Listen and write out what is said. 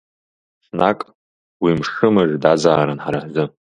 Ҽнак, уи мшымыждазаарын ҳара ҳзы.